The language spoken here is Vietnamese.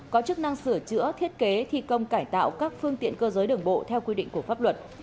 có chức năng sửa chữa thiết kế thi công cải tạo các phương tiện cơ giới đường bộ theo quy định của pháp luật